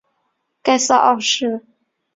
盖萨二世。